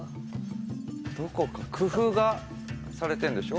どこか工夫がされてんでしょう？